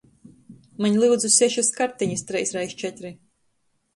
Maņ, lyudzu, sešys kartenis treis reiz četri!